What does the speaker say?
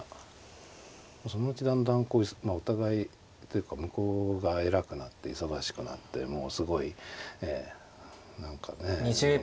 そのうちだんだんお互いっていうか向こうが偉くなって忙しくなってもうすごい何かねえ